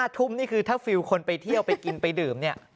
ทุ่มนี่คือถ้าฟิลคนไปเที่ยวไปกินไปดื่มเนี่ย